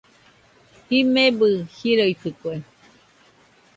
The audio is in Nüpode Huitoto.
Jimebɨ jiroitɨkue